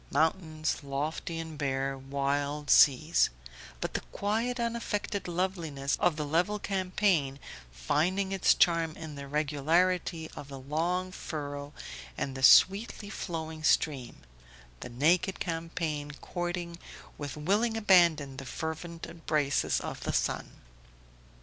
mountains, lofty and bare, wild seas but the quiet unaffected loveliness of the level champaign, finding its charm in the regularity of the long furrow and the sweetly flowing stream the naked champaign courting with willing abandon the fervent embraces of the sun.